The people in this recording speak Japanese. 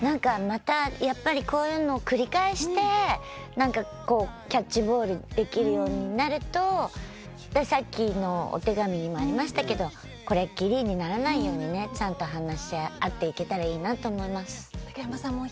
また、こういうのを繰り返してキャッチボールできるようになるとさっきのお手紙にもありましたけどこれっきりにならないようにちゃんと話し合っていけたらいいなと思います。